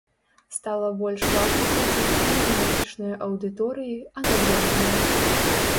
Стала больш важна глядзець не на месячныя аўдыторыі, а на дзённыя.